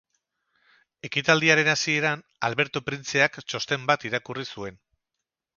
Ekitaldiaren hasieran, Alberto printzeak txosten bat irakurri zuen.